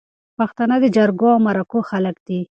پښتانه د جرګو او مرکو خلک دي